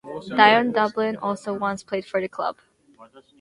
Dion Dublin also once played for the club.